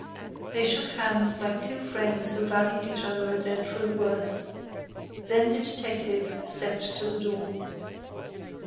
They shook hands like two old friends who valued each other at their true worth; then the detective stepped to the door.